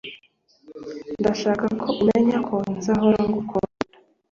Ndashaka ko umenya I ko nzahora ngukunda